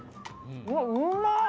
うわっ、うまっ。